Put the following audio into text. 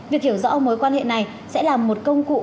việc hiểu rõ mối quan hệ này sẽ là một công cụ